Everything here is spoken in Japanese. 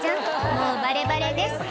もうバレバレです